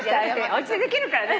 おうちでできるからね。